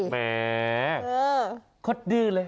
แหมคอดื้อเลย